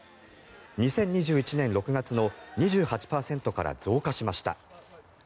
２０２１年６月の２８％から増加しました。